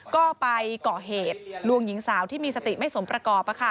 ก็ไปเกาะเหตุลวงหญิงสาวที่มีสติไม่สมประกอบ